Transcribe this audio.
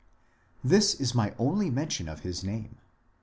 This is my only mention of his name.